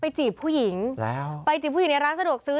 จีบผู้หญิงแล้วไปจีบผู้หญิงในร้านสะดวกซื้อ